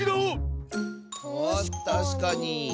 たしかに。